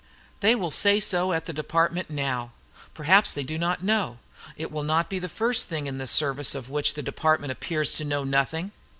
They will say so at the Department now! Perhaps they do not know. It will not be the first thing in the service of which the Department appears to know nothing!